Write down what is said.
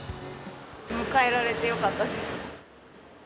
迎えられてよかったです。